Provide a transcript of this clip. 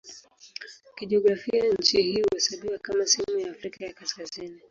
Kijiografia nchi hii huhesabiwa kama sehemu ya Afrika ya Kaskazini.